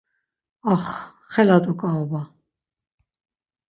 Ax, xela do ǩaoba.